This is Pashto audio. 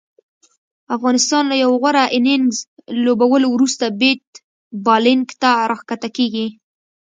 افغانستان له یو غوره اننګز لوبولو وروسته بیت بالینګ ته راښکته کیږي